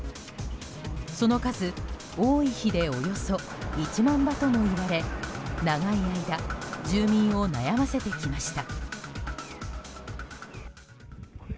その数、多い日でおよそ１万羽ともいわれ長い間住民を悩ませてきました。